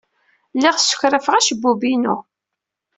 Lliɣ ssekrafeɣ acebbub-inu.